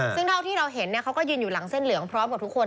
ซึ่งเท่าที่เราเห็นเขาก็ยืนอยู่หลังเส้นเหลืองพร้อมกับทุกคน